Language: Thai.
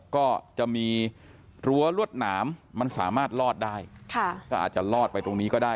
ก็จะมีรั้วรวดหนามมันสามารถลอดได้ค่ะก็อาจจะลอดไปตรงนี้ก็ได้